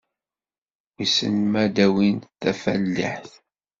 Wissen ma ad d-awin tafaliḥt?